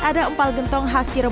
ada empal gentong khasnya di sini juga